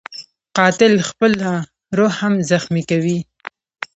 قاتل خپله روح هم زخمي کوي